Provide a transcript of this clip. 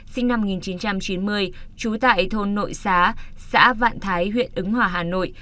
sinh năm một nghìn chín trăm chín mươi trú tại thôn nội xá xã vạn thái huyện ứng hòa hà nội